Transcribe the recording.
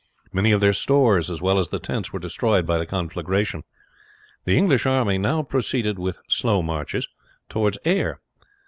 Many of their stores, as well as the tents, were destroyed by the conflagration. The English army now proceeded with slow marches towards Ayr.